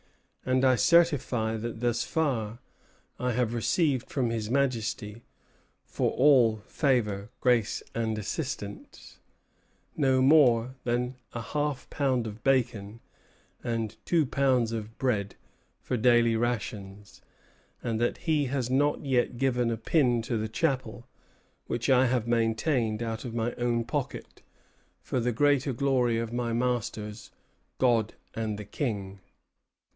And I certify that thus far I have received from His Majesty for all favor, grace, and assistance no more than a half pound of bacon and two pounds of bread for daily rations; and that he has not yet given a pin to the chapel, which I have maintained out of my own pocket, for the greater glory of my masters, God and the King."